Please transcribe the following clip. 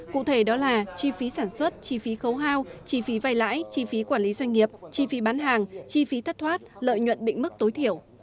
cụ thể đó là chi phí sản xuất chi phí khấu hao chi phí vay lãi chi phí quản lý doanh nghiệp chi phí bán hàng chi phí thất thoát lợi nhuận định mức tối thiểu